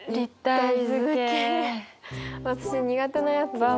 私苦手なやつだ。